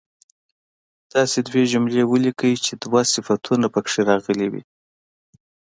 داسې دوې جملې ولیکئ چې دوه صفتونه په کې راغلي وي.